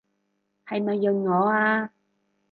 係咪潤我啊？